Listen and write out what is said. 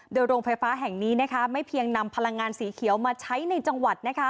โดยโรงไฟฟ้าแห่งนี้ไม่เพียงนำพลังงานสีเขียวมาใช้ในจังหวัด